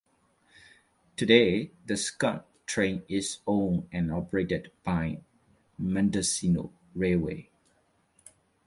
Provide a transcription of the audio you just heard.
Today the Skunk Train is owned and operated by Mendocino Railway.